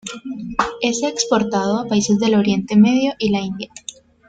Es exportado a países del Oriente Medio y la India.